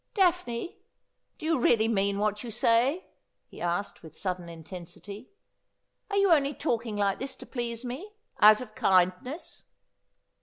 ' Daphne, do you really mean what you say ?' he asked with sudden intensity. ' Are you only talking like this to please me — out of kindness